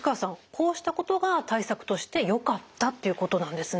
こうしたことが対策としてよかったっていうことなんですね？